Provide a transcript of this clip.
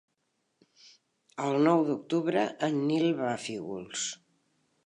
El nou d'octubre en Nil va a Fígols.